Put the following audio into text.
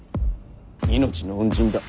命の恩人だ。